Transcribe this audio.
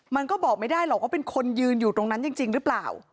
มันก็บอกไม่ได้หรอกว่าเป็นคนยืนอยู่ตรงนั้นจริงหรือเปล่า